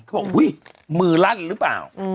เอ้ยมือรั้นหรือเปล่า